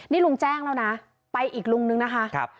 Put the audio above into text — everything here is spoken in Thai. นี่ลุงแจ้งแล้วนะไปอีกลุงนึงนะคะ